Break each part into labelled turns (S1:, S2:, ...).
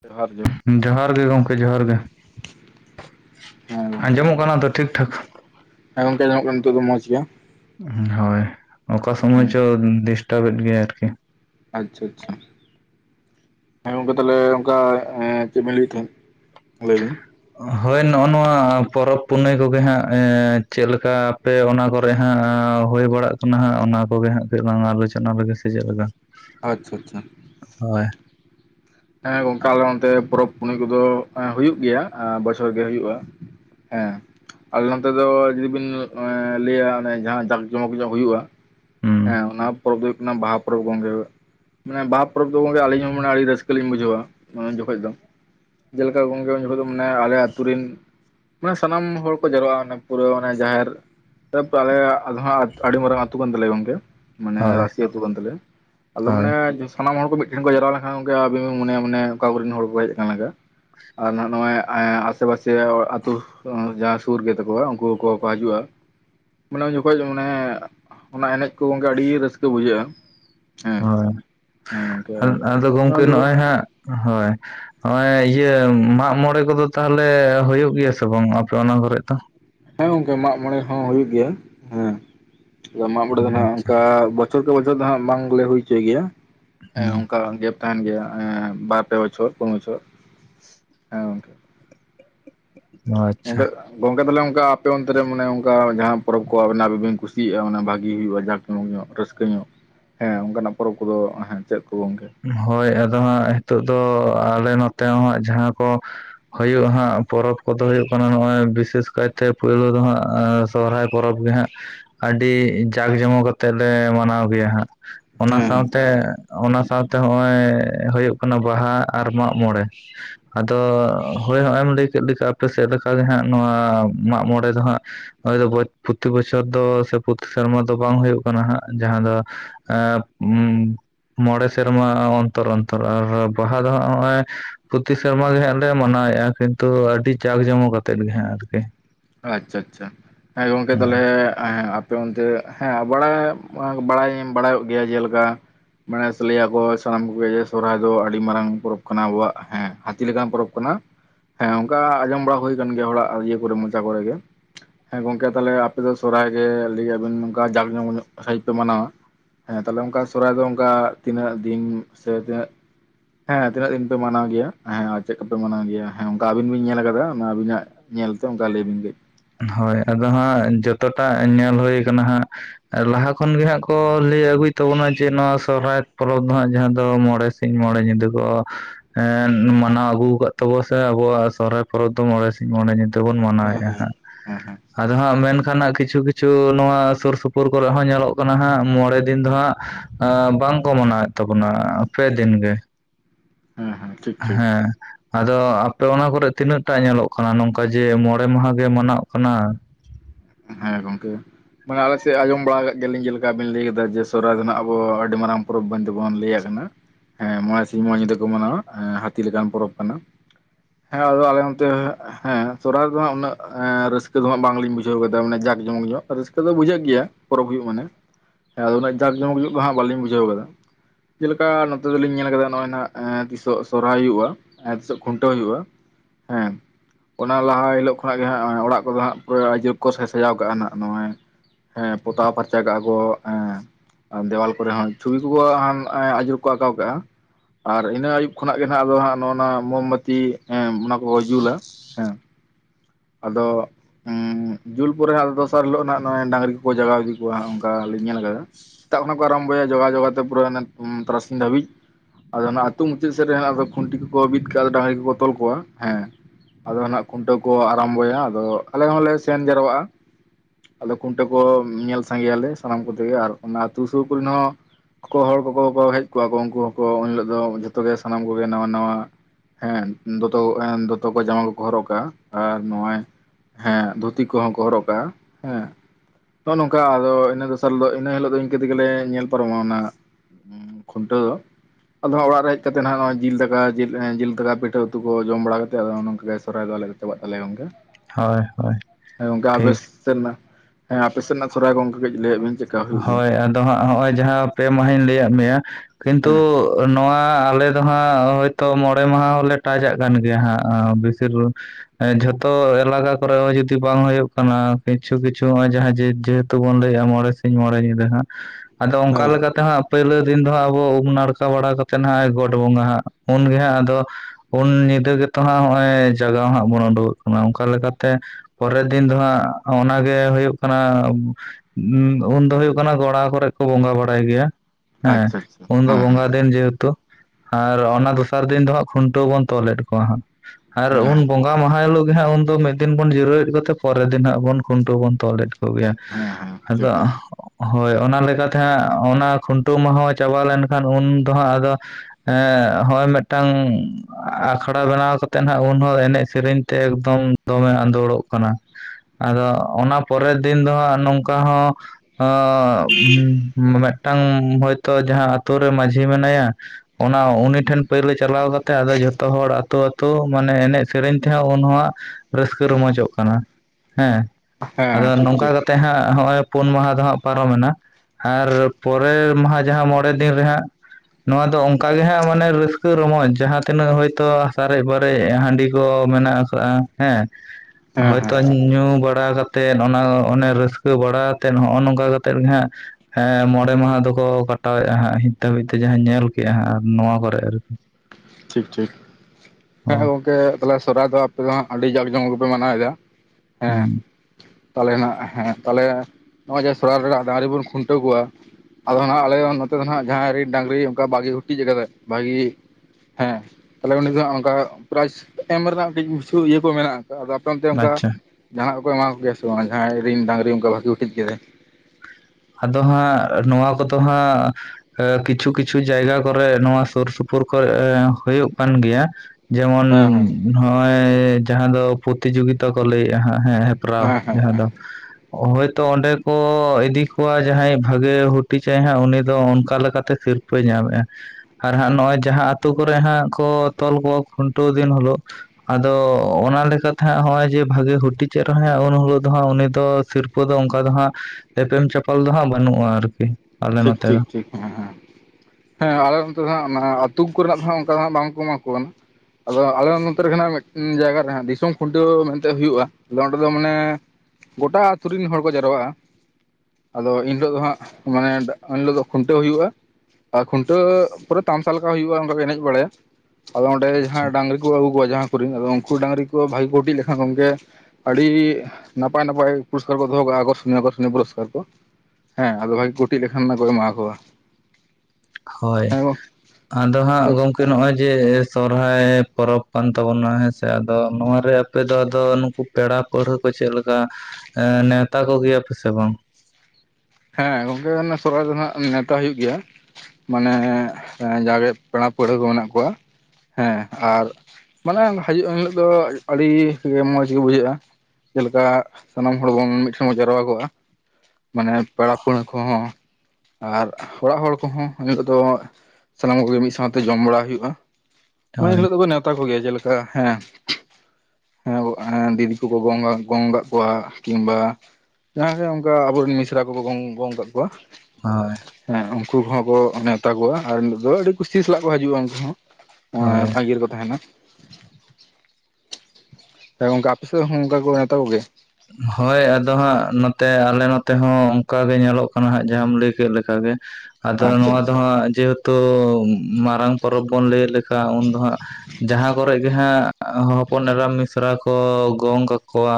S1: ᱡᱚᱦᱟᱨ ᱡᱚᱦᱟᱨ
S2: ᱡᱚᱦᱟᱨ ᱜᱮ ᱜᱚᱝᱠᱮ ᱡᱚᱦᱟᱨ ᱜᱮ
S1: ᱦᱮᱸ ᱜᱚᱝᱠᱮ
S2: ᱟᱸᱡᱚᱢᱚᱜ ᱠᱟᱱᱟ ᱛᱚ ᱴᱷᱤᱠᱴᱷᱟᱠ᱾
S1: ᱦᱮᱸ ᱜᱚᱝᱠᱮ ᱟᱽᱡᱚᱢᱚᱜ ᱠᱟᱱᱟ ᱱᱤᱛᱚᱜ ᱫᱚ ᱢᱚᱸᱡᱽ ᱜᱮ᱾
S2: ᱦᱳᱭ ᱚᱠᱟ ᱥᱚᱢᱚᱭ
S1: ᱦᱮᱸ
S2: ᱪᱚ ᱰᱤᱥᱴᱟᱵᱮᱫ ᱜᱮᱭᱟᱭ ᱟᱨᱠᱤ᱾
S1: ᱟᱪᱪᱷᱟ ᱟᱪᱪᱷᱟ ᱦᱮᱸ ᱜᱚᱝᱠᱮ ᱛᱟᱦᱞᱮ ᱚᱝᱠᱟ ᱮᱸ ᱪᱮᱫ ᱵᱤᱱ ᱞᱟᱹᱭ ᱮᱫ ᱛᱟᱦᱮᱸᱫ ᱞᱟᱹᱭ ᱵᱤᱱ?
S2: ᱦᱳᱭ ᱱᱚᱜᱼᱱᱚᱣᱟ ᱯᱚᱨᱚᱵᱽ ᱯᱩᱱᱟᱹᱭ ᱠᱚᱜᱮ ᱦᱟᱸᱜ ᱪᱮᱫ ᱞᱮᱠᱟ ᱯᱮ ᱚᱱᱟ ᱠᱚᱼᱼ ᱦᱟᱸᱜ ᱦᱩᱭ ᱵᱟᱲᱟᱜ ᱠᱟᱱᱟ ᱦᱟᱸᱜ ᱚᱱᱟ ᱠᱚᱜᱮ ᱦᱟᱸᱜ ᱠᱟᱹᱴᱤᱡ ᱞᱟᱝ ᱟᱞᱚᱪᱚᱱᱟ ᱞᱮᱜᱮ ᱥᱮ ᱪᱮᱫ ᱞᱮᱠᱟ?
S1: ᱟᱪᱪᱷᱟ ᱟᱪᱪᱷᱟ
S2: ᱦᱳᱭ
S1: ᱦᱮᱸ ᱜᱚᱝᱠᱮ ᱟᱞᱮ ᱚᱱᱛᱮ ᱯᱚᱨᱚᱵᱽ ᱯᱩᱱᱟᱹᱭ ᱠᱚᱫᱚ ᱦᱩᱭᱩᱜ ᱜᱮᱭᱟ ᱮᱸ ᱵᱚᱪᱷᱚᱨ ᱜᱮ ᱦᱩᱭᱩᱜᱼᱟ᱾ ᱦᱮᱸ ᱟᱞᱮ ᱱᱚᱱᱛᱮ ᱫᱚ ᱡᱩᱫᱤ ᱵᱤᱱ ᱮᱸ ᱞᱟᱹᱭᱟ ᱚᱱᱮ ᱡᱟᱦᱟᱸ ᱡᱟᱠ ᱡᱚᱢᱚᱠ ᱧᱚᱜ ᱦᱩᱭᱩᱜᱼᱟᱼᱼ
S2: ᱦᱩᱸ
S1: ᱦᱮᱸ ᱚᱱᱟ ᱯᱚᱨᱚᱵᱽ ᱫᱚ ᱦᱩᱭᱩᱜ ᱠᱟᱱᱟ ᱵᱟᱦᱟ ᱯᱚᱨᱚᱵᱽ ᱜᱚᱝᱠᱮ᱾ ᱢᱟᱱᱮ ᱵᱟᱦᱟ ᱯᱚᱨᱚᱵᱽ ᱫᱚ ᱜᱚᱝᱠᱮ ᱟᱞᱤᱧ ᱦᱚᱸ ᱢᱟᱱᱮ ᱟᱰᱤ ᱨᱟᱹᱥᱠᱟᱹ ᱞᱤᱧ ᱵᱩᱡᱷᱟᱹᱣᱼᱟ ᱩᱱ ᱡᱚᱠᱷᱚᱡ ᱫᱚ᱾ ᱪᱮᱫᱞᱮᱠᱟ ᱜᱚᱝᱠᱮ ᱡᱚᱦᱚᱜ ᱫᱚ ᱢᱟᱱᱮ ᱟᱞᱮ ᱟᱹᱛᱩ ᱨᱤᱱᱼᱼ ᱢᱟᱱᱮ ᱥᱟᱱᱟᱢ ᱦᱚᱲ ᱠᱚ ᱡᱟᱨᱣᱟᱜᱼᱟ ᱚᱱᱮ ᱯᱩᱨᱟᱹ ᱚᱱᱮ ᱡᱟᱦᱮᱨᱼᱼ ᱛᱟᱯᱚᱨ ᱟᱞᱮᱭᱟᱜ ᱟᱫᱚ ᱦᱟᱜ ᱟᱰᱤ ᱢᱟᱨᱟᱝ ᱟᱹᱛᱩ ᱠᱟᱱ ᱛᱟᱞᱮᱭᱟ ᱜᱚᱝᱠᱮ᱾ ᱢᱟᱱᱮ
S2: ᱦᱳᱭ
S1: ᱨᱟᱥᱤ ᱟᱛᱳ ᱠᱟᱱ ᱛᱟᱞᱮᱭᱟ ᱟᱞᱚᱢ
S2: ᱦᱳᱭ
S1: ᱢᱚᱱᱮᱭᱟᱼᱼ ᱥᱟᱱᱟᱢ ᱦᱚᱲ ᱠᱚ ᱢᱤᱫᱴᱷᱮᱱ ᱠᱚ ᱡᱟᱣᱨᱟ ᱞᱮᱱᱠᱷᱟᱱ ᱜᱚᱝᱠᱮ ᱟᱵᱤᱱ ᱢᱚᱱᱮᱭᱟ ᱢᱟᱱᱮ ᱚᱠᱟ ᱠᱚᱨᱮᱱ ᱦᱚᱲ ᱠᱚ ᱦᱮᱡ ᱠᱟᱱ ᱞᱮᱠᱟ᱾ ᱟᱨ ᱱᱟᱜ ᱱᱚᱦᱼᱚᱭ ᱟᱥᱮ ᱯᱟᱥᱮ ᱟᱛᱩᱼᱼ ᱡᱟᱦᱟᱸᱭ ᱥᱩᱨ ᱜᱮᱛᱟ ᱠᱚᱣᱟ ᱩᱱᱠᱩ ᱦᱚᱠᱚ ᱦᱤᱡᱩᱜᱼᱟ ᱢᱟᱱᱮ ᱩᱱ ᱡᱚᱠᱷᱚᱡ ᱢᱟᱱᱮ ᱚᱱᱟ ᱮᱱᱮᱡ ᱠᱚ ᱜᱚᱢᱠᱮ ᱟᱰᱤ ᱨᱟᱹᱥᱠᱟᱹ ᱵᱩᱡᱷᱟᱹᱜᱼᱟ᱾ ᱦᱮᱸ
S2: ᱦᱳᱭ
S1: ᱦᱮᱸ ᱜᱚᱝᱠᱮ ᱟᱨ
S2: ᱟᱫᱚ ᱜᱚᱝᱠᱮ ᱱᱚᱜᱼᱚᱭ ᱦᱟᱜ ᱦᱳᱭᱼᱼ ᱱᱚᱜᱼᱚᱭ ᱤᱭᱟᱹ ᱢᱟᱜᱢᱚᱬᱮ ᱠᱚᱫᱚ ᱛᱟᱦᱞᱮ ᱦᱩᱭᱩᱜ ᱜᱮᱭᱟ ᱥᱮ ᱵᱟᱝ ᱟᱯᱮ ᱚᱱᱟ ᱠᱚᱨᱮᱫ ᱫᱚ?
S1: ᱦᱮᱸ ᱜᱚᱝᱠᱮ ᱢᱟᱜ ᱢᱚᱬᱮ ᱦᱚᱸ ᱦᱩᱭᱩᱜ ᱜᱮᱭᱟ ᱦᱮᱸ ᱟᱫᱚ ᱢᱟᱜ ᱢᱚᱬᱮ ᱫᱚ ᱱᱟᱜ
S2: ᱟᱪᱪᱷᱟ
S1: ᱚᱱᱠᱟ ᱼᱼ ᱵᱚᱪᱷᱚᱨ ᱠᱮ ᱵᱚᱪᱷᱚᱨ ᱫᱚ ᱦᱟᱜ ᱵᱟᱝᱞᱮ ᱦᱩᱭᱦᱚᱪᱚᱭ ᱜᱮᱭᱟ ᱦᱮᱸ
S2: ᱦᱩᱸ
S1: ᱚᱝᱠᱟ ᱜᱮᱯᱼᱼ ᱛᱟᱦᱮᱱ ᱜᱮᱭᱟ ᱮᱽ ᱵᱟᱨᱯᱮ ᱵᱚᱪᱷᱚᱨ ᱯᱩᱱ ᱵᱚᱪᱷᱚᱨ ᱦᱮᱸ ᱜᱚᱝᱠᱮ᱾
S2: ᱟᱪᱪᱷᱟ
S1: ᱜᱚᱝᱠᱮ ᱜᱚᱝᱠᱮ ᱛᱟᱦᱞᱮ ᱚᱱᱠᱟ ᱟᱯᱮ ᱚᱱᱛᱮ ᱨᱮ ᱢᱟᱱᱮ ᱚᱝᱠᱟ ᱡᱟᱦᱟᱸ ᱯᱚᱨᱚᱵᱽ ᱠᱚ ᱟᱵᱤᱱᱟ ᱵᱤᱱ ᱠᱩᱥᱤᱭᱟᱜᱼᱟ ᱢᱟᱱᱮ ᱵᱷᱟᱹᱜᱤ ᱦᱩᱭᱩᱜᱼᱟ ᱡᱟᱼᱼ ᱧᱩᱢ ᱧᱚᱜ ᱨᱟᱹᱥᱠᱟᱹ ᱧᱚᱜ ᱦᱮᱸ ᱚᱱᱠᱟᱱᱟᱜ ᱯᱚᱨᱚᱵᱽ ᱠᱚᱫᱚ ᱦᱮᱸ ᱪᱮᱫ ᱠᱚ ᱜᱚᱝᱠᱮ?
S2: ᱦᱳᱭ ᱟᱫᱚ ᱦᱟᱸᱜ ᱱᱤᱛᱚᱜ ᱫᱚ ᱟᱞᱮ ᱱᱚᱛᱮ ᱦᱚᱸ ᱡᱟᱦᱟᱸ ᱠᱚᱼᱼ ᱦᱩᱭᱩᱜᱼᱟ ᱦᱟᱸᱜ ᱯᱚᱨᱚᱵᱽ ᱠᱚᱫᱚ ᱦᱩᱭᱩᱜ ᱠᱟᱱᱟ ᱱᱚᱜᱼᱚᱭ ᱵᱤᱥᱮᱥ ᱠᱟᱭᱛᱮ ᱯᱳᱭᱞᱳ ᱫᱚ ᱦᱟᱸᱜᱼᱼ ᱥᱚᱨᱦᱟᱭ ᱯᱚᱨᱚᱵᱽ ᱜᱮ ᱦᱟᱸᱜ ᱟᱰᱤ ᱡᱟᱸᱠ ᱡᱚᱢᱚᱠ ᱟᱛᱮᱫ ᱞᱮ ᱢᱟᱱᱟᱣ ᱜᱮᱭᱟ ᱦᱟᱸᱜ᱾ ᱚᱱᱟ
S1: ᱦᱮᱸ ᱦᱮᱸ
S2: ᱥᱟᱶᱛᱮ ᱚᱱᱟ ᱥᱟᱶᱼᱼ ᱛᱮ ᱦᱚᱸᱜᱼᱚᱭ ᱦᱩᱭᱩᱜ ᱠᱟᱱᱟ ᱵᱟᱦᱟ ᱟᱨ ᱢᱟᱜ ᱢᱚᱬᱮ᱾ ᱟᱫᱚ ᱦᱳᱭ ᱦᱚᱸᱜᱼᱚᱭ ᱮᱢ ᱞᱟᱹᱭ ᱠᱮᱫ ᱞᱮᱠᱟ ᱟᱯᱮ ᱥᱮᱫ ᱞᱮᱠᱟᱜ ᱜᱮ ᱦᱟᱸᱜ ᱱᱚᱣᱟ ᱢᱟᱜ ᱢᱚᱬᱮ ᱫᱚ ᱦᱟᱸᱜ, [unintelligible] ᱫᱚ ᱯᱨᱚᱛᱤ ᱵᱚᱪᱷᱚᱨ ᱫᱚ ᱥᱮ ᱯᱨᱚᱛᱤ ᱥᱮᱨᱢᱟ ᱫᱚ ᱵᱟᱝ ᱦᱩᱭᱩᱜ ᱠᱟᱱᱟ ᱦᱟᱸᱜ ᱡᱟᱦᱟᱸ ᱫᱚ ᱮᱸᱜ ᱩᱸ ᱢᱚᱬᱮ ᱥᱮᱨᱢᱟ ᱚᱱᱛᱚᱨ ᱚᱱᱛᱚᱨ ᱟᱨ ᱵᱟᱦᱟ ᱫᱚ ᱦᱟᱸᱜ ᱱᱚᱜᱼᱚᱭ ᱯᱨᱚᱛᱤ ᱥᱮᱨᱢᱟ ᱜᱮ ᱦᱟᱸᱜ ᱞᱮ ᱢᱟᱱᱟᱣᱮᱭᱟ ᱠᱤᱱᱼᱼ ᱛᱩ ᱟᱹᱰᱤ ᱡᱟᱠ ᱡᱚᱢᱚ ᱠᱟᱛᱮᱫ ᱜᱮ ᱦᱟᱸᱜ ᱟᱨᱠᱤ ᱾
S1: ᱟᱪᱪᱷᱟ ᱟᱪᱪᱷᱟ ᱟᱨ ᱜᱚᱝᱠᱮ ᱛᱟᱦᱚᱞᱮ ᱟᱭ ᱟᱯᱮ ᱚᱱᱛᱮ ᱦᱮᱸ ᱵᱟᱲᱟᱭ ᱵᱟᱲᱟᱭ ᱤᱧ ᱵᱟᱲᱟᱭᱚᱜ ᱜᱮᱭᱟ ᱪᱮᱫ ᱞᱮᱠᱟ [unintelligible] ᱞᱟᱹᱭ ᱟᱠᱚ ᱥᱟᱱᱟᱢ ᱠᱚᱜᱮ ᱥᱚᱨᱦᱟᱭ ᱫᱚ ᱟᱹᱰᱤ ᱢᱟᱨᱟᱝ ᱯᱚᱨᱚᱵᱽ ᱠᱟᱱᱟ ᱟᱵᱚᱣᱟᱜ ᱦᱮᱸ ᱦᱟᱹᱛᱤ ᱞᱮᱠᱟᱱ ᱯᱚᱨᱚᱵᱽ ᱠᱟᱱᱟ᱾ ᱦᱮᱸ ᱚᱱᱠᱟ ᱟᱸᱡᱚᱢ ᱵᱟᱲᱟ ᱦᱩᱭ ᱠᱟᱱ ᱜᱮᱭᱟ ᱦᱚᱲᱟᱜ ᱤᱭᱟᱹ ᱠᱚᱨᱮ ᱢᱚᱪᱟ ᱠᱚᱨᱮ ᱜᱮ, ᱦᱮᱸ ᱜᱚᱝᱠᱮ ᱛᱟᱦᱞᱮ ᱟᱯᱮ ᱫᱚ ᱥᱚᱨᱦᱟᱭ ᱜᱮ ᱞᱟᱹᱭ ᱟᱵᱤᱱ ᱱᱚᱝᱠᱟ ᱡᱟᱠ ᱡᱚᱢ ᱧᱚᱜ ᱥᱟᱺᱦᱤᱡ ᱯᱮ ᱢᱟᱱᱟᱣᱟ? ᱦᱮᱸ ᱛᱟᱦᱚᱞᱮ ᱚᱱᱠᱟ ᱥᱚᱨᱚᱨᱟᱭ ᱫᱚ ᱚᱱᱠᱟ ᱛᱤᱱᱟᱹᱜ ᱫᱤᱱ ᱥᱮ ᱛᱤᱱᱟᱹᱜ ᱦᱮᱸ ᱛᱤᱱᱟᱹᱜ ᱫᱤᱱ ᱯᱮ ᱢᱟᱱᱟᱣ ᱜᱮᱭᱟ ᱦᱮᱸ ᱟᱨ ᱪᱮᱫ ᱠᱟᱯᱮ ᱢᱟᱱᱟᱣ ᱜᱮᱭᱟ ᱦᱮ ᱚᱱᱠᱟ ᱟᱵᱤᱱ ᱵᱤᱱ ᱧᱮᱞ ᱟᱠᱟᱫᱟ ᱟᱵᱤᱱᱟᱜ ᱧᱮᱞᱛᱮ ᱚᱱᱠᱟ ᱞᱟᱹᱭ ᱵᱤᱱ ᱠᱟᱹᱡ,
S2: ᱦᱳᱭ ᱟᱫᱚ ᱦᱟᱸᱜ ᱡᱚᱛᱚᱴᱟ ᱧᱮᱞ ᱦᱩᱭ ᱠᱟᱱᱟ ᱦᱟᱸᱜ, ᱟᱨ ᱞᱟᱦᱟ ᱠᱷᱚᱱᱜᱮ ᱦᱟᱸᱜ ᱠᱚ ᱞᱟᱹᱭ ᱟᱹᱜᱩᱭ ᱛᱟᱵᱚᱱᱟ ᱡᱮ ᱱᱚᱣᱟ ᱥᱚᱨᱦᱟᱭ ᱯᱚᱨᱚᱵᱽ ᱫᱚ ᱦᱟᱸᱜ ᱡᱟᱦᱟᱸ ᱫᱚ ᱢᱚᱬᱮ ᱥᱤᱧ ᱢᱚᱬᱮ ᱧᱤᱫᱟᱹ ᱠᱚ ᱦᱮᱸ ᱢᱟᱱᱟᱣ ᱟᱹᱜᱩ ᱟᱠᱟᱫ ᱛᱟᱵᱚ ᱥᱮ ᱟᱵᱩᱣᱟᱜ ᱥᱚᱨᱦᱟᱭ ᱯᱚᱨᱚᱵᱽ ᱫᱚ ᱢᱚᱬᱮ ᱥᱤᱧ ᱢᱚᱬᱮ ᱧᱤᱫᱟᱹ ᱛᱮᱵᱚᱱ ᱢᱟᱱᱟᱣᱮᱫᱼᱟ ᱦᱟᱸᱜ ᱾
S1: ᱦᱮᱸ ᱦᱮᱸ
S2: ᱟᱫᱚ ᱦᱟᱸᱜ ᱢᱮᱱᱠᱷᱟᱱᱜ ᱠᱤᱪᱷᱩ ᱠᱤᱪᱷᱩ ᱱᱚᱣᱟ ᱥᱩᱨ ᱥᱩᱯᱩᱨ ᱠᱚᱨᱮᱜ ᱦᱚᱸ ᱧᱮᱞᱚᱜ ᱠᱟᱱᱟ ᱦᱟᱸᱜ ᱢᱚᱬᱮ ᱫᱤᱱ ᱫᱚ ᱦᱟᱸᱜ ᱵᱟᱝᱠᱚ ᱢᱟᱱᱟᱣᱮᱫ ᱛᱟᱵᱚᱱᱟ ᱯᱮ ᱫᱤᱱ ᱜᱮ,
S1: ᱦᱮᱸ ᱦᱮᱸ ᱴᱷᱤᱠ
S2: ᱦᱮᱸ ᱟᱫᱚ ᱟᱯᱮ ᱚᱱᱟ ᱠᱚᱨᱮ ᱛᱤᱱᱟᱹᱜ ᱴᱟᱜ ᱧᱮᱞᱚᱜ ᱠᱟᱱᱟ ᱱᱚᱝᱠᱟ ᱡᱮ ᱢᱚᱬᱮ ᱢᱟᱦᱟ ᱜᱮ ᱢᱟᱱᱟᱣ ᱠᱟᱱᱟ?
S1: ᱦᱮᱸ ᱜᱚᱝᱠᱮ ᱾ ᱢᱟᱱᱮ ᱟᱞᱮ ᱥᱮᱫ ᱟᱸᱚᱢ ᱵᱟᱲᱟ ᱟᱠᱟᱫ ᱜᱮᱭᱟᱞᱤᱧ ᱪᱮᱫ ᱞᱮᱠᱟᱵᱤᱱ ᱞᱟᱹᱭ ᱠᱮᱫᱟ ᱡᱮ ᱥᱚᱨᱦᱟᱭ ᱫᱚ ᱱᱟᱜ ᱟᱵᱚ ᱟᱹᱰᱤ ᱢᱟᱨᱟᱝ ᱯᱚᱨᱚᱵᱽ ᱢᱮᱱᱛᱮᱵᱚᱱ ᱞᱟᱹᱭ ᱠᱟᱱᱟ ᱦᱮᱸ ᱢᱚᱬᱮ ᱥᱤᱧ ᱢᱚᱬᱮ ᱧᱤᱫᱟᱹ ᱠᱚ ᱢᱟᱱᱟᱣᱟ ᱦᱟᱹᱛᱤ ᱞᱮᱠᱟᱱ ᱯᱚᱨᱚᱵᱽ ᱠᱟᱱᱟ᱾ ᱦᱮᱸ ᱟᱫᱚ ᱟᱞᱮ ᱚᱱᱛᱮ ᱦᱮᱸ ᱥᱚᱨᱦᱟᱭ ᱨᱮ ᱫᱚ ᱦᱟᱸᱜ ᱩᱱᱟᱹᱜ ᱨᱟᱹᱥᱠᱟᱹ ᱫᱚ ᱦᱟᱸᱜ ᱵᱟᱝᱞᱤᱧ ᱵᱩᱡᱷᱟᱹᱣ ᱠᱟ ᱫᱟ ᱢᱟᱱᱮ ᱡᱟᱠ ᱡᱚᱢ ᱧᱚᱜ ᱨᱟᱹᱥᱠᱟᱹ ᱫᱚ ᱵᱩᱡᱷᱟᱹᱜ ᱜᱮᱭᱟ ᱯᱚᱨᱚᱵᱽ ᱦᱩᱭᱩᱜ ᱢᱟᱱᱮ, ᱦᱮ ᱟᱫᱚ ᱚᱱᱟᱹ ᱡᱟᱠ ᱡᱚᱢᱚᱠ ᱧᱚᱜ ᱫᱚ ᱦᱟᱸᱜ ᱵᱟᱞᱤᱧ ᱵᱩᱡᱟᱹᱣ ᱟᱠᱟᱫᱟ ᱾ ᱪᱮ ᱞᱮᱠᱟ ᱱᱚᱛᱮ ᱫᱚᱞᱤᱧ ᱧᱮᱞ ᱟᱠᱟᱫᱟ ᱱᱚᱜᱼᱚᱭ ᱱᱟᱦᱟᱸᱜ ᱛᱤᱥᱚᱜ ᱥᱚᱨᱦᱟᱭ ᱦᱩᱭᱩᱜᱼᱟ, ᱟᱨ ᱛᱤᱥᱚ ᱠᱷᱩᱱᱴᱟᱹᱣ ᱦᱩᱭᱩᱜᱼᱟ, ᱦᱮᱸ ᱚᱱᱟ ᱞᱟᱦᱟ ᱦᱤᱞᱳᱜ ᱠᱷᱚᱱᱟᱜ ᱜᱮ ᱦᱟᱸᱜ ᱚᱲᱟᱜ ᱠᱚᱫᱚ ᱦᱟᱸᱜ ᱯᱩᱨᱟᱹ ᱠᱚ ᱥᱮ ᱥᱟᱡᱟᱣ ᱠᱟᱜᱼᱟ ᱱᱟᱜ ᱱᱚᱜᱼᱚᱭ ᱦᱮᱸ ᱯᱚᱛᱟᱣ ᱯᱷᱟᱨᱪᱟ ᱠᱟᱜᱼᱟ ᱠᱚ ᱮᱸ ᱫᱮᱣᱟᱞ ᱠᱚᱨᱮ ᱦᱚᱸ ᱪᱷᱚᱵᱤ ᱠᱚᱠᱚ ᱟᱸᱵᱤ ᱡᱳᱨᱠᱚ ᱟᱸᱠᱷᱟᱣ ᱠᱟᱜᱼᱟ ᱾ ᱟᱨ ᱤᱱᱟᱹ ᱟᱭᱭᱩᱵ ᱠᱷᱚᱱᱟᱜ ᱜᱮ ᱱᱟᱜ ᱟᱫᱚ ᱦᱟᱸᱜ ᱱᱚᱜᱼᱱᱟ ᱢᱳᱚᱢᱵᱛᱤ ᱮᱸ ᱚᱱᱟ ᱠᱚᱠᱚ ᱡᱩᱞᱟ, ᱦᱮᱸ᱾ ᱟᱫᱚ, ᱩᱸᱜ ᱡᱩᱞ ᱯᱚᱨᱮ ᱦᱟᱸᱜ ᱫᱚᱥᱟᱨ ᱦᱤᱞᱳᱜ ᱦᱟᱸᱜ ᱱᱚᱜᱼᱚᱭ ᱰᱟᱝᱨᱤ ᱠᱚᱠᱚ ᱡᱟᱜᱟᱣ ᱤᱫᱤ ᱠᱚᱣᱟ ᱚᱱᱠᱟ ᱞᱤᱧ ᱧᱮᱞ ᱟᱠᱟᱫᱟ ᱾ ᱥᱮᱛᱟᱜ ᱠᱷᱚᱱᱟ ᱠᱚ ᱟᱨᱟᱢᱵᱷᱚᱭᱟ ᱡᱚᱜᱟ ᱡᱚᱜᱟ ᱛᱮ ᱯᱩᱨᱟᱹ ᱛᱟᱨᱟᱥᱤᱧ ᱫᱷᱟᱹᱵᱤᱡ, ᱟᱫᱚ ᱚᱱᱟ ᱟᱹᱛᱩ ᱢᱩᱪᱟᱹᱫ ᱥᱮᱫ ᱨᱮ ᱦᱟᱸᱜ ᱠᱷᱩᱱᱴᱤ ᱠᱚᱠᱚ ᱵᱤᱫ ᱠᱟᱜᱼᱟ ᱰᱟᱝᱨᱤ ᱠᱚᱠᱚ ᱛᱚᱞ ᱠᱚᱣᱟ, ᱦᱮᱸ᱾ ᱟᱫᱚ ᱦᱟᱸᱜ ᱠᱷᱩᱱᱴᱟᱹᱣ ᱠᱚ ᱟᱨᱚᱡᱵᱷᱚᱭᱟ ᱟᱫᱚ ᱟᱞᱮ ᱦᱚᱸᱞᱮ ᱥᱮᱱ ᱡᱟᱣᱨᱟᱜᱼᱟ, ᱟᱫᱚ ᱠᱷᱩᱱᱴᱟᱹ ᱠᱚ ᱧᱮᱞ ᱥᱟᱸᱜᱮᱭᱟᱞᱮ ᱥᱟᱱᱟᱢ ᱠᱚᱛᱮ ᱜᱮ ᱟᱨ ᱚᱱᱟ ᱟᱹᱛᱩ ᱥᱩᱨ ᱠᱚᱨᱮᱱ ᱦᱚᱸ [unintelligible] ᱦᱚᱲ ᱠᱚᱠᱚ ᱦᱚᱸ ᱠᱚ ᱦᱮᱡ ᱠᱚᱜᱣᱟ ᱠᱚ ᱩᱱᱠᱩ ᱦᱚᱸᱠᱚ ᱮᱱ ᱦᱤᱞᱳᱜ ᱫᱚ ᱡᱚᱛᱚᱜ ᱜᱮ ᱥᱟᱱᱟᱢ ᱠᱚᱜᱮ ᱱᱟᱣᱟ ᱱᱟᱣᱟ ᱦᱮᱸ ᱫᱚᱛᱚ ᱮ ᱫᱚᱛᱚ ᱠᱚ ᱡᱟᱢᱟ ᱠᱚᱠᱚ ᱦᱚᱨᱚᱜ ᱠᱟᱜᱼᱟ, ᱟᱨ ᱱᱚᱜᱚᱭ ᱦᱮᱸ ᱫᱷᱩᱛᱤ ᱠᱚᱦᱚᱸ ᱠᱚ ᱦᱚᱨᱚᱜ ᱠᱟᱜᱼᱟ ᱦᱮᱸ, ᱱᱚᱜᱼᱚ ᱱᱚᱝᱠᱟ ᱟᱫᱚ ᱤᱱᱟᱹ ᱫᱚᱥᱟᱨ ᱦᱤᱞ ᱫᱚ ᱤᱱᱟᱹ ᱦᱤᱞᱳᱜ ᱫᱚ ᱤᱱᱠᱟᱹ ᱛᱮᱜᱮᱞᱮ ᱧᱮᱞ ᱯᱟᱨᱚᱢᱟ ᱚᱱᱟ [inaudible] ᱠᱷᱩᱱᱴᱟᱣ᱾ ᱟᱫᱚ ᱚᱲᱟᱜ ᱨᱮ ᱦᱮᱡ ᱠᱟᱛᱮᱜ ᱱᱟᱜᱼᱚᱭ ᱡᱤᱞ ᱫᱟᱠᱟ ᱡᱤᱞ ᱡᱤᱞ ᱫᱟᱠᱟ ᱯᱤᱴᱷᱟᱹ ᱩᱛᱩ ᱠᱚ ᱡᱚᱢ ᱵᱟᱲᱟ ᱠᱟᱛᱮ ᱟᱫᱚ ᱱᱚᱝᱠᱟ ᱜᱮ ᱥᱚᱨᱦᱟᱭ ᱫᱚ ᱟᱞᱮ ᱪᱟᱵᱟᱜ ᱛᱟᱞᱮᱭᱟ ᱜᱚᱝᱠᱮ
S2: ᱦᱳᱭ ᱦᱳᱭ
S1: ᱦᱮᱸ ᱜᱚᱝᱠᱟ
S2: ᱴᱷᱤᱠ
S1: ᱟᱵᱮᱥᱮᱫ ᱨᱮᱱᱟᱜ ᱦᱮᱸ ᱟᱯᱮ ᱥᱮᱫᱱᱟᱜ ᱥᱚᱨᱟᱭ ᱜᱚᱝᱠᱮ ᱠᱟᱹᱡ ᱞᱟᱹᱭᱮᱫ ᱵᱤᱱ ᱠᱟᱹᱡ
S2: ᱦᱳᱭ ᱟᱫᱚ ᱦᱟᱸᱜ ᱦᱚᱸᱜᱼᱚᱭ ᱡᱟᱦᱟᱸ ᱯᱮ ᱢᱟᱦᱟᱧ ᱞᱟᱹᱭᱟᱫ ᱢᱮᱭᱟ ᱠᱤᱱᱛᱩ
S1: ᱦᱮᱸ
S2: ᱱᱚᱣᱟ ᱟᱞᱮ ᱫᱚ ᱦᱟᱸᱜ ᱦᱳᱭᱛᱳ ᱢᱚᱬᱮ ᱢᱟᱦᱟ ᱦᱚᱸᱞᱮ ᱴᱟᱪ ᱠᱟᱱ ᱜᱮᱭᱟ ᱦᱟᱸᱜ ᱵᱮᱥᱤᱨ ᱵᱷᱟᱜᱽ ᱡᱷᱚᱛᱚ ᱮᱞᱟᱠᱟ ᱠᱚᱨᱮ ᱦᱚᱸ ᱡᱩᱫᱤ ᱵᱟᱝ ᱦᱩᱭᱩᱜ ᱠᱟᱱᱟ ᱠᱤᱪᱷᱩ ᱠᱤᱪᱷᱩ ᱱᱚᱜᱚᱭ ᱡᱟᱦᱟᱸ ᱡᱟᱹᱛ ᱡᱟᱹᱛ ᱛᱚ ᱵᱚᱱ ᱞᱟᱹᱭᱮᱜᱼᱟ ᱢᱚᱬᱮ ᱥᱤᱧ ᱢᱚᱬᱮ ᱧᱤᱫᱟᱹ ᱦᱟᱸᱜ ᱟᱫᱚ ᱚᱱᱠᱟ ᱞᱮᱠᱟᱛᱮ ᱦᱟᱸᱜ ᱯᱳᱭᱞᱳ ᱫᱤᱱ ᱫᱚ ᱦᱟᱸᱜ ᱩᱢ ᱱᱟᱲᱠᱟ ᱵᱟᱲᱟ ᱠᱟᱛᱮ ᱦᱟᱸᱜ ᱜᱚᱴ ᱵᱚᱸᱜᱟ ᱦᱟᱸᱜ ᱩᱱᱜᱮ ᱦᱟᱸᱜ ᱟᱫᱚ ᱩᱱ ᱧᱤᱫᱟᱹ ᱜᱮᱛᱚ ᱦᱟᱸᱜ ᱱᱚᱜᱼᱚᱭ ᱡᱟᱜᱟᱣ ᱦᱟᱸᱜ ᱵᱚᱱ ᱩᱰᱩᱠᱚᱜ ᱠᱟᱱᱟ ᱚᱱᱠᱟ ᱞᱮᱠᱟᱛᱮ᱾ ᱯᱚᱨᱮᱨ ᱫᱤᱱ ᱫᱚ ᱦᱟᱜ ᱚᱱᱟᱜᱮ ᱦᱩᱭᱩᱜ ᱠᱟᱱᱟ ᱩᱱ ᱫᱚ ᱦᱩᱭᱩᱜ ᱠᱟᱱᱟ ᱜᱚᱲᱟ ᱠᱚᱨᱮ ᱠᱚ ᱵᱚᱸᱜᱟ ᱵᱟᱲᱟᱭ ᱜᱮᱭᱟ᱾ ᱦᱮᱸ
S1: ᱟᱪᱪᱷᱟ ᱟᱪᱪᱷᱟ
S2: ᱩᱱᱫᱚ
S1: ᱦᱮᱸ
S2: ᱵᱚᱸᱜᱟ ᱫᱤᱱ ᱡᱮᱦᱮᱛᱩ᱾ ᱟᱨ ᱚᱱᱟ ᱫᱚᱥᱟᱨ ᱫᱤᱱ ᱫᱚ ᱦᱟᱸᱜ ᱠᱷᱩᱱᱴᱟᱹᱣ ᱵᱚᱱ ᱛᱚᱞᱮᱫ ᱠᱚᱣᱟ ᱦᱟᱸᱜ᱾ ᱟᱨ ᱩᱱ
S1: ᱦᱮᱸ
S2: ᱵᱚᱸᱜᱟ ᱢᱟᱦᱟ ᱦᱤᱞᱳᱜ ᱜᱮ ᱦᱟᱸᱜ ᱩᱱᱫᱚ ᱢᱤᱫ ᱫᱤᱱ ᱵᱚᱱ ᱡᱤᱨᱟᱹᱣᱮᱫ ᱠᱚᱛᱮ ᱯᱚᱨᱮᱨ ᱫᱤᱱ ᱦᱟᱸᱜ ᱵᱚᱱ ᱠᱷᱩᱱᱴᱟᱹᱣ ᱵᱚᱱ ᱛᱚᱞᱮᱫ ᱠᱚᱜᱮᱭᱟ
S1: ᱦᱮᱸ ᱦᱮᱸ ᱦᱮᱸ
S2: ᱟᱫᱚ
S1: ᱴᱷᱤᱠ
S2: ᱦᱳᱭ ᱚᱱᱟ ᱞᱮᱠᱟᱛᱮ ᱦᱟᱸᱜ ᱚᱱᱟ ᱠᱷᱩᱱᱴᱟᱹᱣ ᱢᱟᱦᱟ ᱪᱟᱵᱟ ᱞᱮᱱᱠᱷᱟᱱ ᱩᱱ ᱫᱚ ᱦᱟᱸᱜ ᱟᱫᱚ ᱦᱚᱜᱼᱚᱭ ᱢᱤᱫᱴᱟᱝ ᱟᱠᱷᱲᱟ ᱵᱮᱱᱟᱣ ᱠᱟᱛᱮ ᱱᱟᱦᱟᱜ ᱩᱱᱦᱚᱸ ᱮᱱᱮᱡ ᱥᱮᱨᱮᱧ ᱛᱮ ᱮᱠᱫᱚᱢ ᱫᱚᱢᱮ ᱟᱸᱫᱳᱲᱚᱜ ᱠᱟᱱᱟ ᱟᱫᱚ ᱚᱱᱟ ᱯᱚᱨᱮᱨ ᱫᱤᱱ ᱫᱚ ᱦᱟᱸᱜ ᱱᱚᱝᱠᱟ ᱦᱚᱸ [inaudible] ᱦᱮᱸ᱾ ᱢᱤᱫᱴᱟᱝ ᱦᱚᱭᱛᱳ ᱡᱟᱦᱟᱸ ᱟᱛᱳ ᱨᱮ ᱢᱟᱺᱡᱷᱤ ᱢᱮᱱᱟᱭᱟ ᱚᱱᱟ ᱩᱱᱤ ᱴᱷᱮᱱ ᱯᱳᱭᱞᱳ ᱪᱟᱞᱟᱣ ᱠᱟᱛᱮ ᱟᱫᱚ ᱡᱷᱚᱛᱚ ᱦᱚᱲ ᱟᱛᱳ [inaudible] ᱢᱟᱱᱮ ᱮᱱᱮᱡ ᱥᱮᱨᱮᱧ ᱛᱮᱦᱚᱸ ᱩᱱᱦᱟᱜ ᱨᱟᱹᱥᱠᱟᱹ ᱨᱚᱢᱚᱡᱚ ᱠᱟᱱᱟ ᱦᱮᱸ᱾ ᱟᱫᱚ
S1: ᱦᱮᱸ ᱴᱷᱤᱠ
S2: ᱱᱚᱝᱠᱟ
S1: ᱴᱷᱤᱠ
S2: ᱠᱟᱛᱮ ᱦᱟᱸᱜ ᱦᱚᱸᱚᱭ ᱯᱩᱱ ᱢᱟᱦᱟ ᱦᱟᱸᱜ ᱯᱟᱨᱚᱢᱮᱱᱟ ᱟᱨ ᱯᱚᱨᱮ ᱢᱟᱦᱟᱸ ᱡᱟᱦᱟᱸ ᱢᱚᱬᱮ ᱫᱤᱱ ᱨᱮ ᱦᱟᱸᱜ ᱱᱚᱣᱟ ᱫᱚ ᱚᱱᱠᱟ ᱜᱮ ᱦᱟᱸᱜ ᱢᱟᱱᱮ ᱨᱟᱹᱥᱠᱟᱹ ᱨᱚᱢᱚᱡ ᱡᱟᱦᱟᱸ ᱛᱤᱱᱟᱹᱜ ᱦᱳᱭᱛᱳ ᱥᱟᱨᱮᱡ ᱵᱟᱨᱮᱡ ᱦᱟᱺᱰᱤ ᱠᱚ ᱢᱮᱱᱟᱜ ᱟᱥᱚᱜᱼᱟ ᱦᱮᱸ᱾
S1: ᱦᱮᱸ ᱦᱮᱸ
S2: ᱦᱚᱭᱛᱚ ᱧᱩ ᱵᱟᱲᱟ ᱠᱟᱛᱮᱫ ᱚᱱᱟ ᱚᱱᱮ ᱨᱟᱹᱥᱠᱟᱹ ᱵᱟᱲᱟ ᱠᱟᱛᱮᱫ ᱦᱚ ᱱᱚᱝᱜᱠᱟ ᱱᱚᱝᱠᱟ ᱠᱟᱛᱮ ᱜᱮ ᱦᱟᱸᱜ ᱦᱮᱸ ᱢᱚᱬᱮ ᱢᱟᱦᱟ ᱫᱚᱠᱚ ᱠᱟᱴᱟᱣᱮᱼᱟ ᱦᱟᱸᱜ ᱦᱤᱛ ᱦᱟᱹᱵᱤᱡ ᱛᱮ ᱡᱟᱦᱟᱸ ᱧᱮᱞ ᱠᱮᱜᱼᱟ ᱦᱟᱸᱜ ᱟᱨ ᱱᱚᱣᱟ ᱠᱚᱨᱮ ᱟᱨᱠᱤ᱾ [inaudible]
S1: ᱴᱷᱤᱠ ᱴᱷᱤᱠ᱾ ᱦᱮᱸ
S2: ᱚ
S1: ᱜᱚᱝᱠᱮ ᱛᱟᱦᱚᱞᱮ ᱥᱚᱦᱨᱟᱭ ᱫᱚ ᱟᱯᱮ ᱫᱚ ᱦᱟᱸᱜ ᱟᱹᱰᱤ ᱡᱟᱸᱠ ᱡᱚᱢᱚᱠ ᱜᱮᱯᱮ ᱢᱟᱱᱟᱣᱮᱫᱟ?
S2: ᱦᱩᱸ᱾
S1: ᱛᱟᱦᱚᱞᱮᱱᱟᱜ ᱦᱮᱸ ᱛᱟᱦᱮ ᱱᱚᱜ ᱚᱭ ᱡᱮ [inaudible] ᱨᱮᱫᱚ ᱰᱟᱝᱨᱤ ᱵᱚᱱ ᱠᱷᱩᱱᱴᱟᱹᱣ ᱠᱚᱣᱟ᱾ ᱟᱫᱚ ᱦᱟᱜ ᱟᱞᱮ ᱱᱚᱛᱮ ᱫᱚ ᱦᱟᱜ ᱡᱟᱦᱟᱸᱭ ᱨᱤᱱ ᱰᱟᱝᱨᱤ ᱚᱱᱠᱟ ᱵᱷᱟᱜᱤ ᱦᱩᱴᱤᱡ ᱟᱠᱟᱫᱟᱭ ᱵᱷᱟᱜᱤ ᱦᱮᱸ᱾ ᱛᱟᱦᱚᱞᱮ ᱩᱱ ᱫᱚ ᱚᱱᱠᱟ ᱯᱨᱟᱭᱤᱡ ᱮᱢ ᱨᱮᱱᱟᱜ ᱢᱤᱴᱤᱡ ᱠᱤᱪᱷᱩ ᱤᱭᱟᱹ ᱠᱚ ᱢᱮᱱᱟᱜᱼᱟ᱾ ᱟᱫᱚ ᱟᱯᱮ ᱚᱱᱛᱮ ᱚᱱᱠᱟ
S2: ᱟᱪᱪᱷᱟ
S1: ᱡᱟᱦᱟ ᱠᱚ ᱮᱢᱟ ᱠᱚ ᱠᱮᱭᱟ ᱥᱮ ᱵᱟᱝ ᱡᱟᱦᱟᱸᱭ ᱨᱤᱱ ᱰᱟᱝᱨᱤ ᱚᱱᱠᱟ ᱵᱷᱟᱜᱤ ᱦᱩᱴᱤᱡ ᱠᱮᱫᱟᱭ?
S2: ᱟᱫᱚ ᱦᱟᱸᱜ ᱱᱚᱣᱟ ᱠᱚᱫᱚ ᱦᱟᱸᱜ ᱠᱤᱪᱷᱩ ᱠᱤᱪᱷᱩ ᱡᱟᱭᱜᱟ ᱠᱚᱨᱮ ᱱᱚᱣᱟ ᱥᱩᱨ ᱥᱩᱯᱩᱨ ᱠᱚᱨᱮ ᱦᱩᱭᱩᱜ ᱠᱟᱱ ᱜᱮᱭᱟ᱾ ᱡᱮᱢᱚᱱ
S1: ᱦᱮᱸ ᱦᱮᱸ
S2: ᱱᱚᱜᱼᱚᱭ ᱡᱟᱦᱟᱸ ᱫᱚ ᱯᱨᱚᱛᱤ ᱡᱳᱜᱤᱛᱟ ᱠᱚ ᱞᱟᱹᱭ ᱮᱦᱟᱜ ᱦᱮᱸ᱾ ᱦᱮᱯᱨᱟᱣ
S1: ᱦᱮᱸ ᱦᱮᱸ
S2: ᱡᱟᱦᱟᱸ
S1: ᱦᱮᱸ
S2: ᱫᱚ ᱦᱚᱭᱛᱳ ᱚᱸᱰᱮ ᱠᱚ ᱤᱫᱤ ᱠᱚᱣᱟᱜ ᱡᱟᱦᱟᱸᱭ ᱵᱷᱟᱜᱮ ᱦᱩᱴᱤᱡᱟᱭ ᱦᱟᱸᱜ ᱩᱱᱤ ᱫᱚ ᱚᱱᱠᱟ ᱞᱮᱠᱟᱛᱮ ᱥᱤᱨᱯᱟᱹᱭ ᱧᱟᱢᱮᱜᱼᱟ᱾ ᱟᱨ ᱦᱟᱸᱜ ᱱᱚᱜᱼᱚᱭ ᱡᱟᱦᱟᱸ ᱟᱛᱳ ᱠᱚᱨᱮ ᱦᱟᱸᱜ ᱠᱚ ᱛᱚᱞ ᱠᱚᱣᱟ ᱠᱷᱩᱱᱴᱟᱹᱣ ᱫᱤᱱ ᱦᱤᱞᱳᱜ ᱟᱫᱚ ᱚᱱᱟ ᱞᱮᱠᱟᱛᱮ ᱦᱟᱸᱜ ᱱᱚᱜᱼᱚᱭ ᱡᱮ ᱵᱷᱟᱜᱮ ᱦᱩᱴᱤᱡ ᱮ ᱨᱮᱦᱚᱸ ᱩᱱ ᱦᱤᱞᱳᱜ ᱫᱚ ᱦᱟᱸᱜ ᱩᱱᱤ ᱫᱚ ᱥᱤᱨ [inaudible] ᱚᱱᱠᱟ ᱫᱚ ᱦᱟᱸᱜ ᱮᱯᱮᱢ ᱪᱟᱯᱟᱞ ᱫᱚ ᱦᱟᱸᱜ ᱵᱟᱹᱱᱩᱜᱼᱟ ᱟᱨᱠᱤ᱾ ᱟᱞᱮ
S1: ᱴᱷᱤᱠ
S2: ᱱᱚᱛᱮ
S1: ᱴᱷᱤᱠ ᱴᱷᱤᱠ᱾ ᱦᱮᱸ ᱦᱮᱸ
S2: [inaudible]
S1: ᱦᱮᱸ ᱟᱞᱮ ᱱᱚᱱᱛᱮ ᱫᱚ ᱦᱟᱜᱸ ᱚᱱᱟ ᱟᱹᱛᱩ ᱠᱚᱨᱮᱱᱟᱜ ᱫᱚ ᱦᱟᱜ ᱸᱚᱱᱠᱟ ᱫᱚ ᱦᱟ ᱵᱟᱝᱠᱚ ᱮᱢᱟ ᱠᱚ ᱠᱟᱱᱟ᱾ ᱟᱫᱚ ᱟᱞᱮ ᱱᱚᱛᱮ ᱨᱮᱜᱮ ᱦᱟᱜ ᱢᱤᱫᱴᱟᱝ ᱡᱟᱭᱜᱟ ᱨᱮ ᱦᱟᱜ ᱫᱤᱥᱚᱢ ᱠᱷᱩᱱᱴᱟᱹᱣ ᱢᱮᱱᱛᱮ ᱦᱩᱭᱩᱜᱼᱟ᱾ ᱟᱫᱚ ᱚᱸᱰᱮ ᱫᱚ ᱢᱟᱱᱮ ᱜᱳᱴᱟ ᱟᱛᱩ ᱨᱮᱱ ᱦᱚᱲ ᱠᱚ ᱡᱟᱣᱨᱟᱜᱼᱟ᱾ ᱟᱫᱚ ᱤᱱᱦᱤᱞᱚᱜ ᱫᱚ ᱦᱟᱸᱜ ᱢᱟᱱᱮ ᱮᱱᱦᱤᱞᱳ ᱫᱚ ᱠᱷᱩᱱᱴᱟᱹᱣ ᱦᱩᱭᱩᱜᱼᱟ᱾ ᱟᱨ ᱠᱷᱩᱱᱴᱟᱹᱣ ᱯᱚᱨᱮ ᱛᱟᱢᱥᱟ ᱞᱮᱠᱟ ᱦᱩᱭᱩᱜᱼᱟ᱾ ᱚᱝᱠᱟ ᱠᱚ ᱮᱱᱮᱡ ᱵᱟᱲᱟᱭᱟ᱾ ᱟᱫᱚ ᱚᱸᱰᱮ
S2: ᱟᱪᱪᱷᱟ
S1: ᱡᱟᱦᱟᱸᱭ ᱰᱟᱹᱝᱨᱤ ᱠᱚ ᱟᱹᱜᱩ ᱠᱚᱣᱟ ᱡᱟᱦᱟᱸ ᱠᱚᱨᱮᱱ ᱟᱫᱚ ᱩᱱᱠᱩ ᱰᱟᱹᱝᱨᱤ ᱠᱚ ᱵᱷᱟᱹᱜᱤ ᱠᱚ ᱩᱴᱤᱡᱽ ᱞᱮᱠᱷᱟᱱ ᱜᱚᱝᱠᱮ ᱟᱹᱰᱤ ᱱᱟᱯᱟᱭ ᱱᱟᱯᱟᱭ ᱯᱩᱨᱚᱥᱠᱟᱨ ᱠᱚ ᱫᱚᱦᱚ ᱠᱟᱜᱼᱟ᱾ ᱟᱠᱚᱨᱥᱚᱱᱤᱭ ᱟᱠᱚᱨᱥᱚᱱᱤᱭ ᱯᱩᱨᱚᱥᱠᱟᱨ ᱠᱚ᱾ ᱦᱮᱸ, ᱟᱫᱚ ᱵᱷᱟᱜᱮ ᱠᱚ ᱩᱴᱤᱡ ᱞᱮᱠᱷᱟᱱ ᱚᱱᱟ ᱠᱚ ᱮᱢᱟ ᱠᱚᱣᱟ᱾
S2: ᱦᱳᱭ᱾
S1: ᱦᱮᱸ ᱜᱚᱝᱠᱮ
S2: ᱟᱫᱚ ᱦᱟᱸᱜ ᱜᱚᱝᱠᱮ ᱱᱚᱜ-ᱚᱭ ᱡᱮ ᱥᱚᱨᱚᱦᱟᱭ ᱯᱚᱨᱚᱵᱽ ᱠᱟᱱ ᱛᱟᱵᱚᱱᱟ ᱦᱮᱸ ᱥᱮ ᱟᱫᱚ ᱱᱚᱣᱟ ᱨᱮ ᱟᱯᱮ ᱫᱚ ᱟᱫᱚ ᱱᱩᱠᱩ ᱯᱮᱲᱟ ᱯᱟᱹᱲᱦᱟᱹ ᱠᱚ ᱪᱮᱫ ᱞᱮᱠᱟ ᱱᱮᱣᱛᱟ ᱠᱚᱜᱮᱭᱟ ᱯᱮ ᱥᱮ ᱵᱟᱝ?
S1: ᱦᱮᱸ ᱜᱚᱝᱠᱮ ᱥᱚᱨᱟᱭ ᱨᱮ ᱨᱮᱱᱟᱜ ᱱᱮᱣᱛᱟ ᱦᱩᱭᱩᱜ ᱜᱮᱭᱟ᱾ ᱢᱟᱱᱮ ᱡᱟᱜᱮ ᱯᱮᱲᱟ ᱯᱟᱹᱲᱦᱟᱹ ᱠᱚ ᱢᱮᱱᱟᱜ ᱠᱚᱣᱟ᱾ ᱦᱮᱸ ᱟᱨ ᱢᱟᱱᱮ ᱦᱟᱡᱩᱜ ᱮᱱ ᱦᱤᱞᱟᱹᱜ ᱫᱚ ᱟᱹᱰᱤ ᱢᱚᱡᱽ ᱜᱮ ᱵᱩᱡᱷᱟᱹᱜ-ᱟ᱾ ᱡᱮᱞᱮᱠᱟ ᱥᱟᱱᱟᱢ ᱦᱚᱲᱵᱚᱱ ᱢᱤᱫᱴᱷᱮᱱ ᱵᱚᱱ ᱡᱟᱨᱣᱟ ᱠᱚᱜ-ᱟ ᱢᱟᱱᱮ ᱯᱮᱲᱟ ᱯᱟᱹᱲᱦᱟᱹ ᱠᱚᱦᱚᱸ ᱟᱨ ᱚᱲᱟᱜ ᱦᱚᱲ ᱠᱚᱦᱚᱸ ᱤᱱᱦᱤᱞᱳᱜ ᱫᱚ ᱥᱟᱱᱟᱢ ᱠᱚᱜᱮ ᱢᱤᱫ ᱥᱟᱶᱛᱮ ᱡᱚᱢ ᱵᱟᱲᱟ ᱦᱩᱭᱩᱜ-ᱟ᱾ ᱢᱟᱱᱮ
S2: ᱦᱳᱭ
S1: ᱮᱱᱦᱤᱞᱳᱜ ᱫᱚᱠᱚ ᱱᱮᱣᱛᱟ ᱡᱮᱞᱮᱠᱟ ᱦᱮᱸ ᱦᱮᱸ ᱫᱤᱫᱤ ᱠᱚᱠᱚ ᱜᱚᱝ ᱜᱚᱝ ᱠᱟᱜ ᱠᱚᱣᱟ ᱠᱤᱢᱵᱟ ᱡᱟᱦᱟᱸ ᱜᱮ ᱚᱝᱠᱟ ᱟᱵᱚᱨᱮᱱ ᱢᱤᱥᱨᱟ ᱠᱚᱵᱚ ᱜᱚᱝ ᱠᱟᱜ ᱠᱚᱣᱟ᱾
S2: ᱦᱳᱭ᱾
S1: ᱦᱮᱸ ᱩᱝᱠᱩ ᱠᱚᱦᱚᱸ ᱠᱚ ᱱᱮᱣᱛᱟ ᱠᱚᱣᱟ ᱟᱨ ᱱᱤᱛ ᱫᱚ ᱟᱹᱰᱤ ᱠᱩᱥᱤ ᱥᱟᱞᱟᱜ ᱠᱚ ᱦᱤᱡᱩᱜ-ᱟ᱾ ᱩᱝᱠᱩ
S2: ᱦᱳᱭ
S1: ᱦᱚᱸ᱾ ᱛᱟᱹᱜᱤ ᱨᱮᱠᱚ ᱛᱟᱦᱮᱱᱟ᱾ ᱦᱮᱸ ᱜᱚᱝᱠᱮ ᱟᱯᱮ ᱥᱮᱫ ᱦᱚᱸ ᱚᱱᱠᱟ ᱠᱚ ᱱᱮᱶᱛᱟ ᱠᱚᱜᱮᱭᱟ?
S2: ᱦᱳᱭ ᱟᱫᱚ ᱦᱟᱸᱜ ᱱᱚᱛᱮ ᱟᱞᱮ ᱱᱚᱛᱮ ᱦᱚᱸ ᱚᱝᱠᱟᱜᱮ ᱧᱮᱞᱚᱜ ᱠᱟᱱᱟ ᱦᱟᱸᱜ ᱡᱟᱦᱟᱸᱢ ᱞᱟᱹᱭ ᱠᱮᱫ ᱞᱮᱠᱟᱜᱮ᱾ ᱟᱫᱚ
S1: ᱟᱪᱪᱷᱟ
S2: ᱱᱚᱣᱟ ᱫᱚ
S1: ᱟᱪᱪᱷᱟ
S2: ᱦᱟᱸᱜ ᱡᱮᱦᱮᱛᱩ ᱢᱟᱨᱟᱝ ᱯᱚᱨᱚᱵᱽ ᱵᱚᱱ ᱞᱟᱹᱭᱮᱫ ᱩᱱ ᱫᱚ ᱦᱟᱸᱜ ᱡᱟᱦᱟᱸ ᱠᱚᱨᱮ ᱜᱮ ᱦᱟᱸᱜ ᱦᱚᱯᱚᱱ ᱮᱨᱟᱢ ᱢᱤᱥᱨᱟ ᱠᱚ ᱜᱚᱝ ᱠᱟᱠᱚᱣᱟ᱾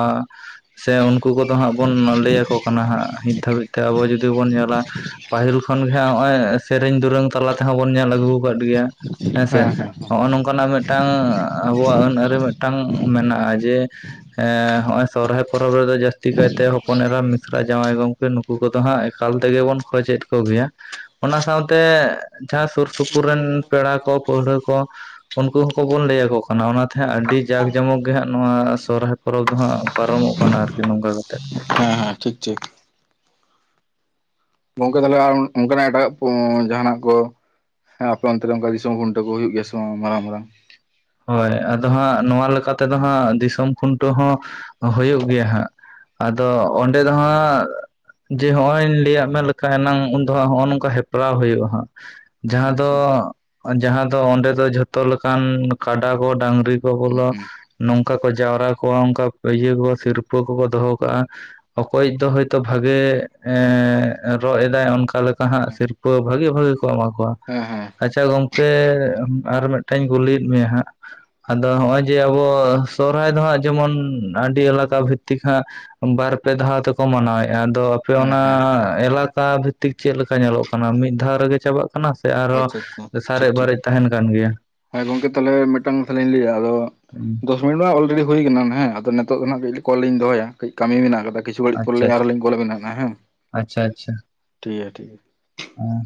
S2: ᱥᱮ ᱩᱱᱠᱩ ᱠᱚᱫᱚ ᱦᱟᱸᱜ ᱵᱚᱱ ᱞᱟᱹᱭ ᱭᱟᱠᱚ ᱠᱟᱱᱟ ᱦᱟᱸᱜ ᱱᱤᱛ ᱫᱷᱟᱹᱵᱤᱡ ᱛᱮ ᱟᱵᱚ ᱡᱩᱫᱤ ᱵᱚᱱ ᱧᱮᱞᱟ ᱯᱟᱹᱦᱤᱞ ᱠᱷᱚᱱ ᱜᱮ ᱦᱚᱜ ᱥᱮᱨᱮᱧ ᱫᱩᱨᱟᱹᱝ ᱛᱟᱞᱟ ᱛᱮᱦᱚᱸ ᱵᱚᱱ ᱧᱮᱞ ᱟᱹᱜᱩ ᱠᱟᱴ ᱜᱮᱭᱟ ᱦᱮᱸᱥᱮ
S1: ᱦᱮᱸ ᱦᱮᱸ
S2: ᱱᱚᱜ-ᱚᱭ ᱱᱚᱝᱠᱟᱱᱟᱜ ᱢᱤᱫ ᱴᱟᱝ ᱟᱵᱚᱣᱟᱜ ᱟᱹᱱ ᱟᱹᱨᱤ ᱢᱤᱫᱴᱟᱝ ᱢᱮᱱᱟᱜ-ᱟ ᱡᱮ ᱦᱚᱜ-ᱚᱭ ᱥᱚᱨᱦᱟᱭ ᱯᱚᱨᱚᱵᱽ ᱨᱮᱫᱚ ᱡᱟᱹᱥᱛᱤ ᱠᱟᱭᱛᱮ ᱦᱚᱯᱚᱱ ᱮᱨᱟ ᱢᱤᱥᱨᱟ ᱡᱟᱶᱟᱭ ᱜᱚᱢᱠᱮ ᱱᱩᱠᱩ ᱠᱚᱫᱚ ᱦᱟᱸᱜ ᱮᱠᱟᱞ ᱛᱮᱜᱮ ᱵᱚᱱ ᱠᱷᱚᱡᱮᱫ ᱠᱚᱜᱮᱭᱟ ᱚᱱᱟ ᱥᱟᱶᱛᱮ ᱡᱟᱦᱟᱸ ᱥᱩᱨ ᱥᱩᱯᱩᱨ ᱨᱮᱱ ᱯᱮᱲᱟ ᱠᱚ ᱯᱟᱹᱲᱦᱟᱹ ᱠᱚ ᱩᱱᱠᱩ ᱦᱚᱸᱠᱚᱵᱚᱱ ᱞᱟᱹᱭᱟᱠᱚ ᱠᱟᱱᱟ ᱚᱱᱟ ᱚᱱᱟᱛᱮ ᱦᱟᱸᱜ ᱟᱹᱰᱤ ᱡᱟᱸᱠ ᱡᱚᱢᱚᱠ ᱜᱮ ᱦᱟᱸᱜ ᱱᱚᱣᱟ ᱥᱚᱨᱦᱟᱭ ᱯᱚᱨᱚᱵᱽ ᱫᱚ ᱦᱟᱸᱜ ᱯᱟᱨᱚᱢᱚᱜ ᱠᱟᱱᱟ ᱟᱨᱠᱤ ᱱᱚᱝᱠᱟ ᱠᱟᱛᱮᱫ᱾
S1: ᱦᱮᱸ ᱦᱮᱸ ᱴᱷᱤᱠ ᱴᱷᱤᱠ᱾ ᱜᱚᱝᱠᱮ ᱛᱟᱦᱚᱞᱮ ᱟᱨ ᱚᱱᱠᱟᱱᱟᱜ ᱮᱴᱟᱜ ᱡᱟᱦᱟᱱᱟᱜ ᱠᱚ᱾ ᱦᱮᱸ ᱟᱯᱮ ᱚᱱᱛᱮᱨᱮ ᱚᱝᱠᱟ ᱫᱤᱥᱚᱢ ᱠᱷᱩᱱᱴᱟᱹ ᱠᱚ ᱦᱩᱭᱩᱜ ᱜᱮᱭᱟ ᱵᱟᱝ ᱢᱟᱨᱟᱝ ᱢᱟᱨᱟᱝ᱾
S2: ᱦᱳᱭ ᱟᱫᱚ ᱦᱟᱸᱜ ᱱᱚᱣᱟ ᱞᱮᱠᱟ ᱛᱮᱫᱚ ᱦᱟᱸᱜ ᱫᱤᱥᱚᱢ ᱠᱷᱩᱱᱴᱟᱹᱣ ᱦᱚᱸ ᱦᱩᱭᱩᱜ ᱜᱮᱭᱟ ᱦᱟᱸᱜ, ᱾ ᱟᱫᱚ ᱚᱸᱰᱮ ᱫᱚ ᱦᱟᱸᱜ ᱡᱮ ᱦᱚᱜ-ᱚᱭ ᱞᱟᱹᱭᱟᱭᱟᱜ ᱢᱮ ᱞᱮᱠᱷᱟᱱ ᱮᱱᱟᱝ ᱩᱱᱫᱚ ᱦᱟᱸᱜ ᱱᱚᱜ-ᱚ ᱱᱚᱝᱠᱟ ᱦᱮᱯᱨᱟᱣ ᱦᱳᱭᱩᱜ-ᱟ᱾ ᱦᱟᱸᱜ ᱡᱟᱦᱟᱸ ᱫᱚ
S1: ᱟᱪᱪᱷᱟ
S2: ᱡᱟᱦᱟᱸ ᱫᱚ ᱚᱸᱰᱮ ᱫᱚ ᱡᱷᱚᱛᱚ ᱞᱮᱠᱟᱱ ᱠᱟᱰᱟ ᱠᱚ ᱰᱟᱹᱝᱨᱤ ᱫᱚ
S1: ᱦᱩᱸ
S2: ᱵᱚᱞᱚ
S1: ᱦᱩᱸ
S2: ᱱᱚᱝᱠᱟ ᱠᱚ ᱡᱟᱣᱨᱟ ᱠᱚᱣᱟ ᱚᱱᱠᱟ ᱤᱭᱟᱹ ᱠᱚ ᱥᱤᱨᱯᱟᱹ ᱠᱚᱠᱚ ᱫᱚᱦᱚ ᱠᱟᱜ-ᱟ᱾ ᱚᱠᱚᱭᱤᱡ ᱫᱚ ᱦᱳᱭᱛᱚ ᱵᱷᱟᱜᱮ ᱮᱸ ᱨᱚᱜ ᱮᱫᱟᱭ ᱚᱱ ᱠᱟ ᱞᱮᱠᱟ ᱦᱟᱸᱜ ᱥᱤᱨᱯᱟᱹ ᱵᱷᱟᱜᱤ ᱵᱷᱟᱜᱤ ᱠᱚ ᱮᱢᱟ ᱠᱚᱣᱟ᱾
S1: ᱦᱮᱸ ᱦᱮᱸ᱾
S2: ᱟᱪᱪᱷᱟ ᱜᱚᱢᱠᱮ ᱟᱨ ᱢᱤᱫᱴᱟᱝ ᱤᱧ ᱠᱩᱞᱤᱭᱮᱫ ᱢᱮᱭᱟ ᱦᱟᱸᱜ, ᱟᱫᱚ ᱦᱚᱸᱜ-ᱚᱭ ᱡᱮ ᱟᱵᱚ ᱥᱚᱨᱦᱟᱭ ᱫᱚ ᱦᱟᱸᱜ ᱡᱮᱢᱚᱱ ᱟᱹᱰᱤ ᱟᱞᱟᱫᱟ ᱵᱷᱤᱛᱛᱤᱠ ᱦᱟᱸᱜ ᱵᱟᱨ ᱯᱮ ᱫᱷᱟᱣ ᱛᱮᱠᱚ ᱢᱟᱱᱟᱣᱮᱜᱼᱟ ᱟᱫᱚ ᱟᱯᱮ
S1: ᱦᱮᱸ
S2: ᱚᱱᱟ
S1: ᱦᱮᱸ
S2: ᱮᱞᱟᱠᱟ ᱵᱷᱤᱛᱤᱠ ᱪᱮᱫ ᱞᱮᱠᱟ ᱧᱮᱞᱚᱜ ᱠᱟᱱᱟ ᱢᱤᱫ ᱫᱷᱟᱣ ᱨᱮᱜᱮ ᱪᱟᱵᱟᱜ ᱠᱟᱱᱟ ᱥᱮ ᱟᱨᱦᱚᱸ
S1: ᱟᱪᱪᱷᱟ ᱟᱪᱪᱷᱟ ᱴᱷᱤᱠ
S2: ᱥᱟᱨᱮᱡ
S1: ᱴᱷᱤᱠ
S2: ᱵᱟᱨᱮᱡ ᱛᱟᱦᱮᱸᱱ ᱠᱟᱱ ᱜᱮᱭᱟ?
S1: ᱦᱮᱸ ᱜᱚᱝᱠᱮ ᱛᱟᱦᱚᱞᱮ ᱢᱤᱫᱴᱟᱝ ᱠᱟᱛᱷᱟᱧ ᱞᱟᱹᱭᱟ ᱟᱫᱚ
S2: ᱦᱩᱸ᱾
S1: ᱫᱚᱥ ᱢᱤᱱᱤᱴ ᱢᱟ ᱚᱞᱨᱮᱰᱤ ᱦᱩᱭ ᱠᱟᱱᱟ ᱦᱮᱸ ᱟᱫᱚ ᱱᱤᱛᱚᱜ ᱫᱚ ᱱᱟᱦᱟᱸᱜ ᱠᱟᱹᱡ ᱠᱚᱞ ᱞᱤᱧ ᱫᱚᱦᱚᱭᱟ ᱠᱟᱹᱡ ᱠᱟᱹᱢᱤ ᱢᱮᱱᱟᱜ ᱠᱟᱫᱟ᱾ ᱠᱤᱪᱷᱩ ᱜᱷᱟᱹᱲᱤᱡ ᱯᱚᱨ
S2: ᱟᱪᱪᱷᱟ
S1: ᱞᱤᱧ
S2: ᱟᱪᱪᱷᱟ
S1: ᱟᱨᱦᱚᱸ ᱞᱤᱧ ᱠᱚᱞ ᱟᱵᱮᱱᱟ ᱦᱮᱸ ᱴᱷᱤᱠ ᱜᱮᱭᱟ ᱴᱷᱤᱠ ᱜᱮᱭᱟ᱾
S2: ᱟᱸ᱾